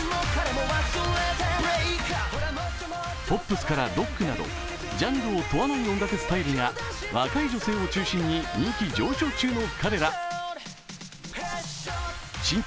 ポップスからロックなどジャンルを問わない音楽スタイルが若い女性を中心に人気上昇中の彼ら。